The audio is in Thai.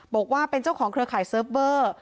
บอกว่าเป็นเจ้าของเครือข่ายเซิร์ฟเวอร์